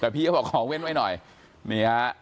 แต่พี่เขาบอกขอเว้นไว้หน่อยนี่ฮะ